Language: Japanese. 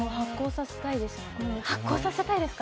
発酵させたいですね。